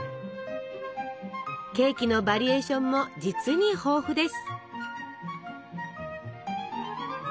ケーキのバリエーションも実に豊富です！